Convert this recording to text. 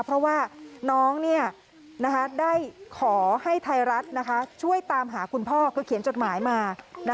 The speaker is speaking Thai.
เพราะว่าน้องได้ขอให้ไทยรัฐช่วยตามหาคุณพ่อคือเขียนจดหมายมา